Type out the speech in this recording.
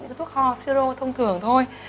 những cái thuốc ho si rô thông thường thôi